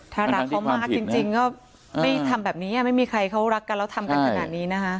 ถ้ารักเขามากจริงก็ไม่ทำแบบนี้ไม่มีใครเขารักกันแล้วทำกันขนาดนี้นะคะ